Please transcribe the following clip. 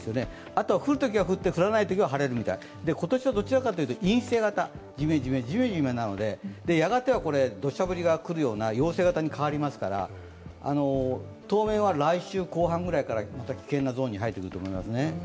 あとは降るときは降って降らないときは晴れるみたいな、今年はどちらかというと陰性型、じめじめじめじめなのでやがてはどしゃ降りがくるような陽性型に変わりますから当面は来週後半くらいは危険なゾーンに入ってくると思います。